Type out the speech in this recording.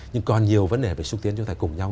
nhưng còn nhiều vấn đề về xúc tiến chúng ta cùng nhau